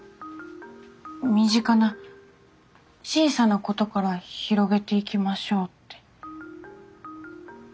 身近な小さなことから広げていきましょうって。